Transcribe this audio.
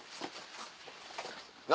何？